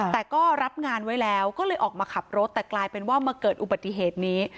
แต่ก็รับงานไว้แล้วก็เลยออกมาขับรถแต่กลายเป็นว่ามาเกิดอุบัติเหตุนี้